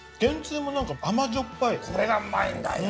これがうまいんだよ。